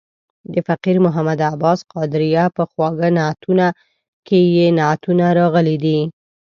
د فقیر محمد عباس قادریه په خواږه نعتونه کې یې نعتونه راغلي دي.